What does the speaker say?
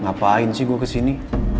ngapain sih gue kesini